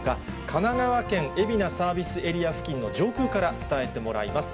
神奈川県海老名サービスエリア付近の上空から伝えてもらいます。